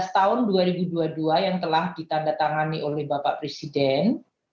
dua belas tahun dua ribu dua puluh dua yang telah ditandatangani oleh bapak presiden